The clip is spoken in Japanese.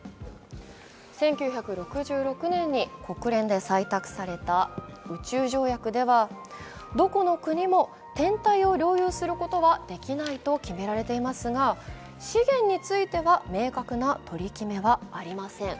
１９６６年に国連で採択された宇宙条約では、どこの国も天体を領有することはできないと決められていますが資源については明確な取り決めはありません。